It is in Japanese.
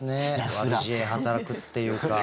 悪知恵働くっていうか。